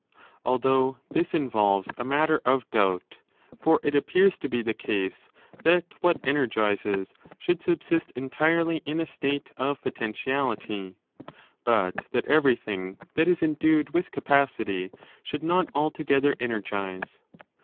Although this involves a matter of doubt; for it appears to be the case that what energizes should subsist entirely in a state of potentiality : but that everything that is endued with capacity should not altogether energize.